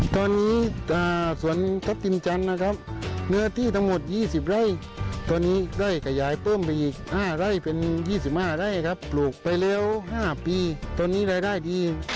ตอนนี้สวนทัพทิมจันทร์นะครับเนื้อที่ทั้งหมด๒๐ไร่ตอนนี้ได้ขยายเพิ่มไปอีก๕ไร่เป็น๒๕ไร่ครับปลูกไปแล้ว๕ปีตอนนี้รายได้ดี